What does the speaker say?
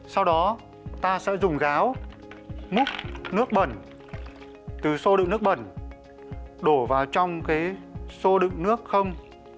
sau đó ta sẽ dùng gáo múc nước bẩn từ xô đựng nước bẩn đổ vào trong cái xô đựng nước không